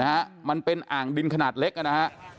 นะฮะมันเป็นอ่างดินขนาดเล็กนะฮะ